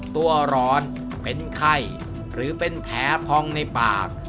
ตัวร้อนเป็นไข้หรือเป็นแผลพองในปาก